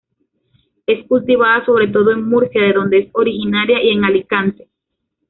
Es cultivada sobre todo en Murcia, de donde es originaria, y en Alicante.